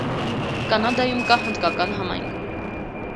Կանադայում կա հնդկական համայնք։